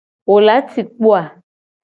Wo la ci kpo a?